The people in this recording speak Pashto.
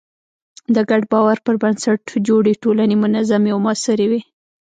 د ګډ باور پر بنسټ جوړې ټولنې منظمې او موثرې وي.